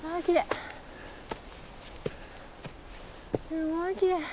すごいきれい。